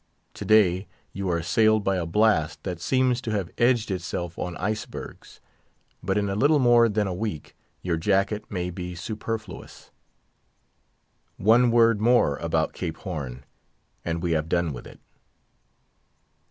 To day, you are assailed by a blast that seems to have edged itself on icebergs; but in a little more than a week, your jacket may be superfluous. One word more about Cape Horn, and we have done with it.